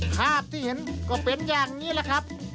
ภาพที่เห็นก็เป็นอย่างนี้แหละครับ